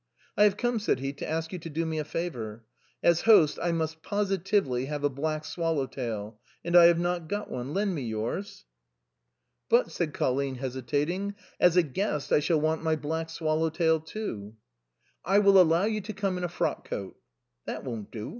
I have come," said he, "to ask you to do me a favor. As host I must positively have a black swallow tail, and I have not got one ; lend me yours." " But," said Colline hesitating, " as a guest I shall want my black swallow tail too." " I will allow you to come in a frock coat." " That won't do.